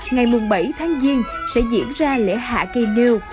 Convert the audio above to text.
ngày bảy tháng giêng sẽ diễn ra lễ hạ cây nêu